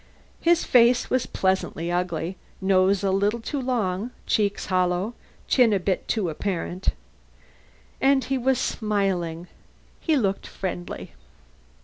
His face was pleasantly ugly nose a little too long, cheeks hollow, chin a bit too apparent. And he was smiling. He looked friendly.